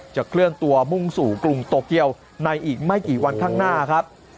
เคลื่อนตัวมุ่งสู่กรุงโตเกียวในอีกไม่กี่วันข้างหน้าครับ